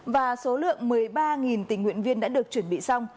và số lượng một mươi ba tình nguyện viên đã được chuẩn bị xong